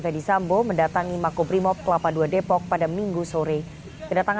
ketua komnasam ahmad tovandamanik senin siang